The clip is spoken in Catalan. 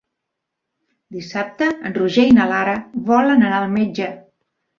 Dissabte en Roger i na Lara volen anar al metge.